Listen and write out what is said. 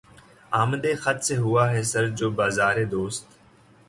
آمدِ خط سے ہوا ہے سرد جو بازارِ دوست